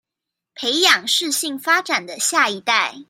培養適性發展的下一代